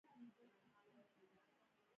د یو لاین سرک عرض درې اعشاریه اته متره کیږي